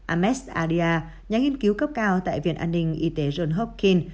ames adia nhà nghiên cứu cấp cao tại viện an ninh y tế john hocklin